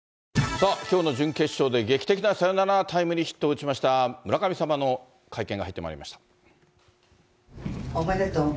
さあ、きょうの準決勝で、劇的なサヨナラタイムリーヒットを打ちました村神様の会見が入っおめでとう。